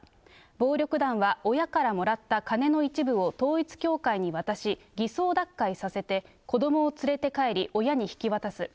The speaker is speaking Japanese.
暴力団は親からもらった金の一部を統一教会に渡し、偽装脱会させて、子どもを連れて帰り、親に引き渡す。